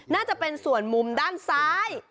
น่าจะเป็นส่วนมุมด้านซ้าย